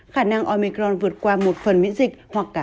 khả năng omicron vượt qua một phần miễn dịch hoặc cả